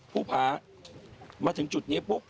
ผู้พามาถึงจุดนี้ปุ๊บ